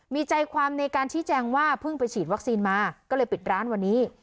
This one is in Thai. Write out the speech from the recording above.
มีใจความในการชี้แจงว่าเพิ่งไปฉีดวัคซีนมาก็เลยปิดร้านวันนี้